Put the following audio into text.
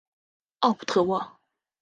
奥普特沃。